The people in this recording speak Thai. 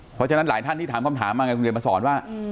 เพราะฉะนั้นหลายท่านที่ถามคำถามมาไงคุณเรียนมาสอนว่า